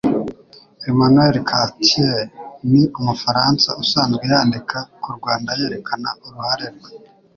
Emmanuel Cattier ni umufaransa usanzwe yandika ku Rwanda yerekana uruhare rwe